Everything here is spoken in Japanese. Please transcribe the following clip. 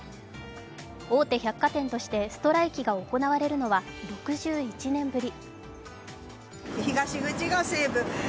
大手百貨店としてストイラキが行われるのは６１年ぶり。